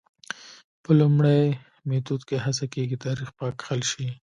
په لومړي میتود کې هڅه کېږي تاریخ پاک کښل شي.